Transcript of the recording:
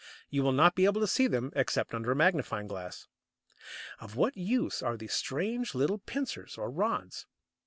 You will not be able to see them, except under a magnifying glass. Of what use are these strange little pincers or rods?